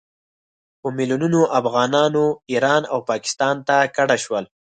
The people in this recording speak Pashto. په میلونونو افغانان ایران او پاکستان ته کډه شول.